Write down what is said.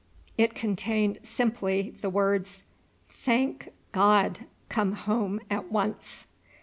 It contained simply the words, "Thank God! Come home at once."